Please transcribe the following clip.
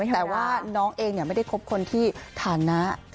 แต่ว่าน้องเองไม่ได้คบคนที่ฐานะ